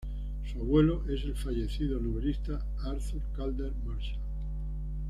Su abuelo es el fallecido novelista Arthur Calder-Marshall.